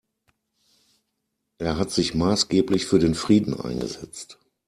Er hat sich maßgeblich für den Frieden eingesetzt.